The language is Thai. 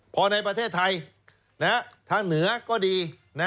พอในประเทศไทยทางเหนือก็ดี